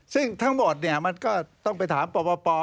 ซึ่งทั้งหมดมันก็ต้องไปถามปป